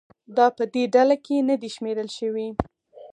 دا په دې ډله کې نه دي شمېرل شوي